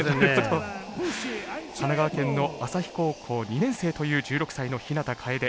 神奈川県の旭高校２年生という１６歳の日向楓。